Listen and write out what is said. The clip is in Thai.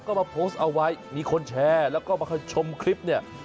ก็มาโพสต์เอาไว้มีคนแชร์แล้วก็มาชมคลิปเนี่ย